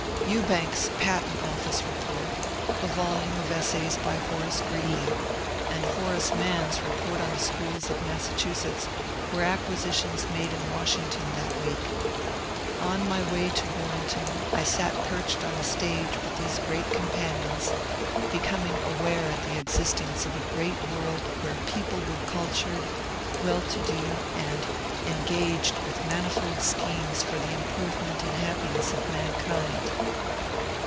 Ewbank's Patent Office Report, a volume of essays by Horace Ghreeley, and Horace Mann's Report on the Schools of Massachusetts, were acquisitions made in Washington that week. On my way to Warrenton I sat perched on the stage with these companions, becoming aware of the existence of a great world where people were cultured, well to do, and en gaged with manifold schemes for the improvement and hap piness of mankind.